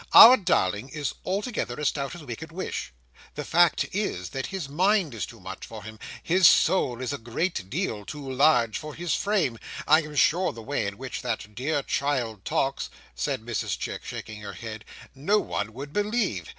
Our darling is altogether as stout as we could wish. The fact is, that his mind is too much for him. His soul is a great deal too large for his frame. I am sure the way in which that dear child talks!" said Mrs Chick, shaking her head; "no one would believe.